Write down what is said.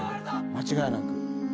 間違いなく。